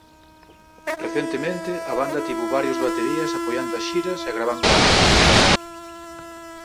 Recentemente a banda tivo varios baterías apoiando as xiras e gravando álbums.